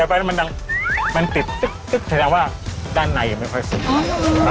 ถ้าน้ำมันมันหยุดไปในถ่านที่ไฟลุกได้